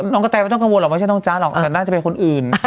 กระแตไม่ต้องกังวลหรอกไม่ใช่น้องจ๊ะหรอกแต่น่าจะเป็นคนอื่น